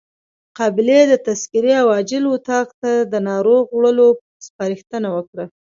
قابلې د تذکرې او عاجل اتاق ته د ناروغ وړلو سپارښتنه وکړه.